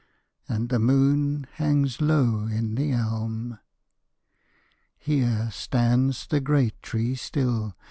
And the moon hangs low in the elm. Here stands the great tree still.